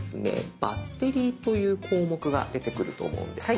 「バッテリー」という項目が出てくると思うんです。